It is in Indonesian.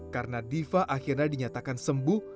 karena diva akhirnya dinyatakan sembuh